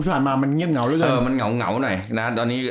ปุกการณ์วัดดีนะเออมันเหงาหน่อยนะตอนนี้